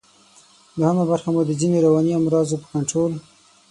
دوهمه برخه مو د ځینو رواني امراضو په کنټرول